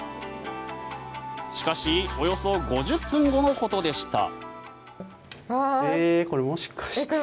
しかしおよそ５０分後のことでした。